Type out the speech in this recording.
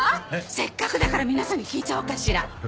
せっかくだから皆さんに聞いちゃおうかしら。